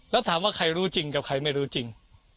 แล้วถามว่าใครรู้จริงกับใครไม่รู้จริง